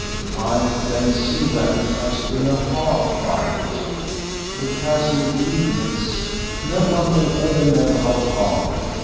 "I can see that it has been a hard fight." "It has indeed, miss; no one will ever know how hard.